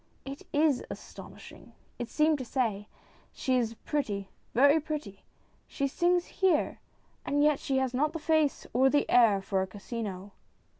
" It is astonishing !" it seemed to say. '' She is pretty, very pretty. She sings here, and yet she has not the face or the air for a casino."